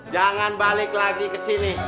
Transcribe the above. jangan balik lagi ke sini